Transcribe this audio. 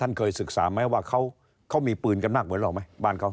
เคยศึกษาไหมว่าเขามีปืนกันมากเหมือนเราไหมบ้านเขา